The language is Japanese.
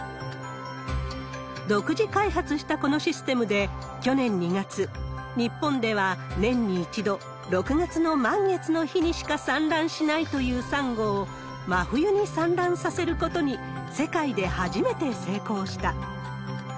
独自開発したこのシステムで、去年２月、日本では年に１度、６月の満月の日にしか産卵しないというサンゴを真冬に産卵させることに、世界で初めて成功した。